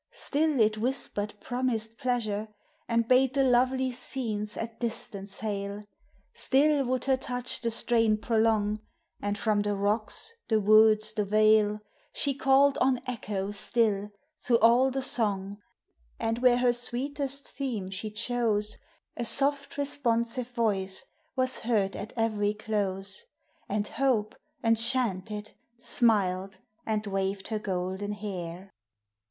Still it whispered promised pleasure, And bade the lovely scenes at distance hail ! Still would her touch the strain prolong ; And from the rocks, the woods, the vale, She called on Echo still, through all the song ; And wmere her sweetest theme she chose, A soft responsive voice was heard at every close ; And Hope, enchanted, smiled, and waved her golden hair. THE ARTS.